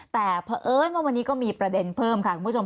แต่เพราะเอิญว่าวันนี้ก็มีประเด็นเพิ่มค่ะคุณผู้ชม